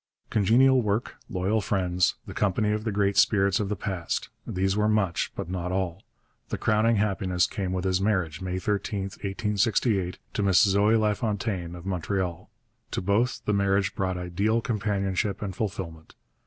Congenial work, loyal friends, the company of the great spirits of the past these were much, but not all. The crowning happiness came with his marriage, May 13, 1868, to Miss Zoë Lafontaine of Montreal. To both, the marriage brought ideal companionship and fulfilment.